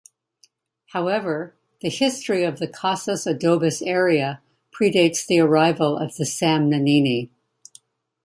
However, the history of the Casas Adobes area predates the arrival of Sam Nanini.